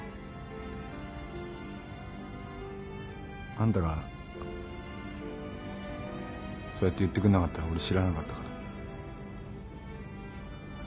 あんたがそうやって言ってくんなかったら俺知らなかったから。